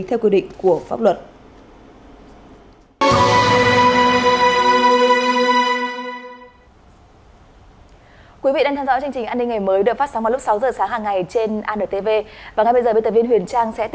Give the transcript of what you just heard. theo quy định của pháp luật